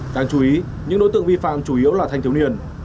đáng chú ý những đối tượng vi phạm chủ yếu là thanh thiếu niên